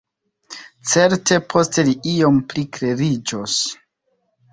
Certe poste li iom pli kleriĝos.